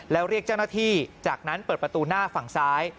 แล้วเรียกเจ้าหน้าที่จากนั้นเปิดประตูหน้าฝั่งซ้าย